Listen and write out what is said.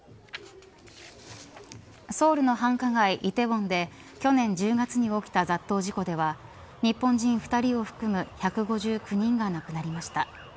ソウルの繁華街、梨泰院で去年１０月に起きた雑踏事故では日本人２人を含む１５９人が亡くなりました。